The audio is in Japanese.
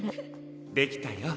できたよ。